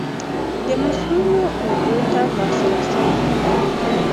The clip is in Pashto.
مصؤنو اوبو ته لاسرسی نه لري.